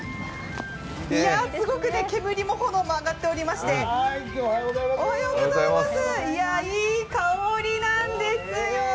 すごく煙も炎も上がっておりまして、いい香りなんですよ。